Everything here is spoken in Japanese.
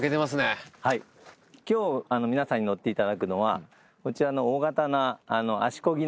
今日皆さんに乗っていただくのはこちらの大型な足こぎ